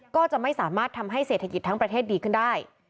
ก็จะไม่สามารถทำให้เศรษฐกิจทั้งประเทศดีขึ้นได้